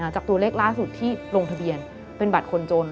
จากตัวเลขล่าสุดที่ลงทะเบียนเป็นบัตรคนจน